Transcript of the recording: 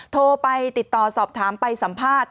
โทรไปติดต่อสอบถามไปสัมภาษณ์